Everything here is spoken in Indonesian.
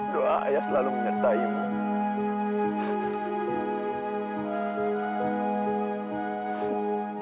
doa ayah selalu menyertai mu